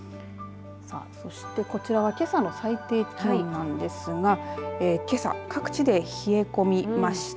そして、こちらはけさの最低気温なんですがけさ各地で冷え込みました。